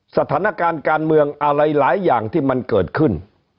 สถานการณ์การเมืองอะไรหลายอย่างที่มันเกิดขึ้น